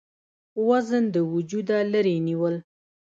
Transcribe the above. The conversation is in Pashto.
وزن د وجوده لرې نيول ،